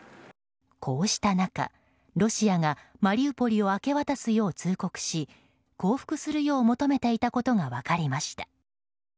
こうした中、ロシアがマリウポリを明け渡すよう通告し降伏するよう求めていたことが分かりました。